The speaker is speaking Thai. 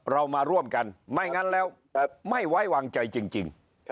เรามาร่วมกันไม่งั้นแล้วไม่ไว้วางใจจริง